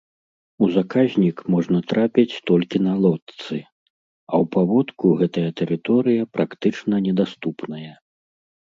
У заказнік можна трапіць толькі на лодцы, а ў паводку гэтая тэрыторыя практычна недаступная.